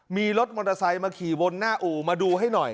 มีรถมอเตอร์ไซค์มาขี่วนหน้าอู่มาดูให้หน่อย